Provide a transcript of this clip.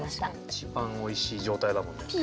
一番おいしい状態だもんね。